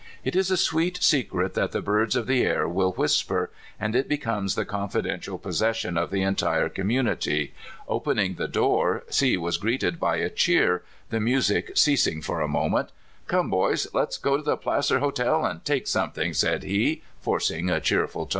It is a sweet secret that the birds of the air will whisper, and it becomes the confidential possession of the entire community. Opening the door, C was greeted by a cheer, the music ceasing for a moment. "Come, boys, let's go to the Placer Hotel and take something," said he, forcing a cheerful tone.